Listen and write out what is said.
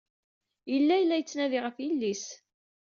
Yella la yettnadi ɣef yelli-s.